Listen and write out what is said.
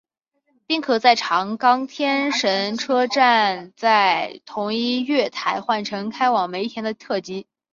并可在长冈天神车站在同一月台换乘开往梅田的特急。